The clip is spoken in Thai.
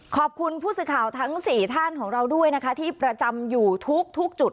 ขอบคุณผู้สื่อข่าวทั้ง๔ท่านของเราด้วยนะคะที่ประจำอยู่ทุกจุด